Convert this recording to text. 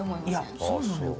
いやそうなのよ。